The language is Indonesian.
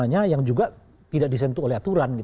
yang juga tidak disentuh oleh aturan